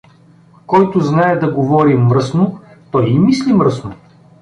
Който знай да говори мръсно, той и мисли мръсно.